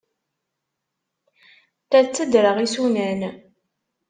La ttadreɣ isunan.